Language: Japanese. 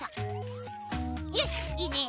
よしいいね！